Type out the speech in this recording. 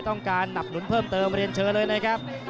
การหนับหนุนเพิ่มเติมเรียนเชิญเลยนะครับ